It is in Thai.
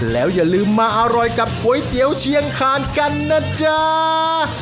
แล้วอย่าลืมมาอร่อยกับก๋วยเตี๋ยวเชียงคานกันนะจ๊ะ